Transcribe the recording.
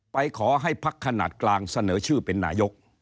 ไปขอให้พักขนาดกลางเสนอชื่อเป็นนายก